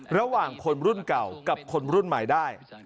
ระหว่างคนรุ่นเก่ากับคนรุ่นใหม่ได้